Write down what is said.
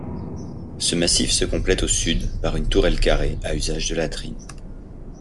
Ce massif se complète au sud par une tourelle carrée à usage de latrines.